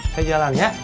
saya jalan ya